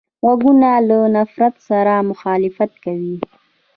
غوږونه له نفرت سره مخالفت کوي